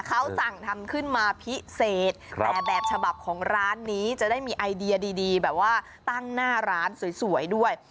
เขาสั่งทำขึ้นมาพิเศษแต่แบบฉบับของร้านนี้จะได้มีไอเดียดีดีแบบว่าตั้งหน้าร้านสวยด้วย